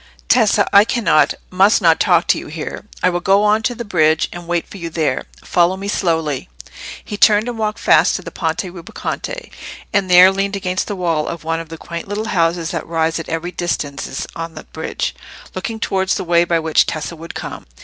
"Tessa, I cannot—must not talk to you here. I will go on to the bridge and wait for you there. Follow me slowly." He turned and walked fast to the Ponte Rubaconte, and there leaned against the wall of one of the quaint little houses that rise at even distances on the bridge, looking towards the way by which Tessa would come.